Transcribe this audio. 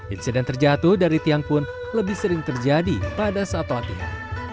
insiden terjatuh dari tiang pun lebih sering terjadi pada saat latihan